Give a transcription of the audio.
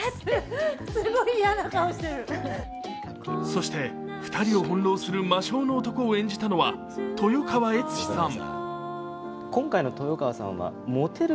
そして、２人を翻弄する魔性の男を演じたのは豊川悦司さん。